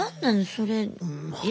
それ。